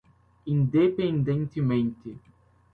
independentemente